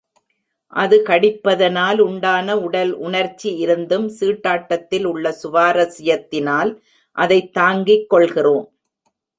அது கடிப்பதனால் உண்டான உடல் உணர்ச்சி இருந்தும், சீட்டாட்டத்தில் உள்ள சுவாரசியத்தினால், அதைத் தாங்கிக் கொள்கிறோம்.